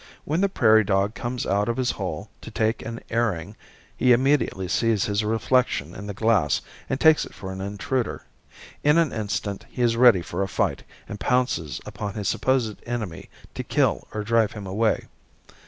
When the prairie dog comes out of his hole to take an airing he immediately sees his reflection in the glass and takes it for an intruder. In an instant he is ready for a fight and pounces upon his supposed enemy to kill or drive him away.